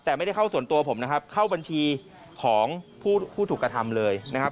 แต่ไม่ได้เข้าส่วนตัวผมนะครับเข้าบัญชีของผู้ถูกกระทำเลยนะครับ